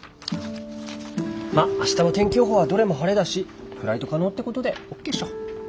まっ明日の天気予報はどれも晴れだしフライト可能ってことでオッケーっしょ。